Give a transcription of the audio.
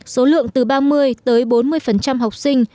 số lượng từ ba mươi tới bốn mươi học sinh